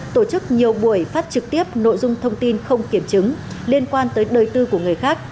tổ chức nhiều buổi phát trực tiếp nội dung thông tin không kiểm chứng liên quan tới đời tư của người khác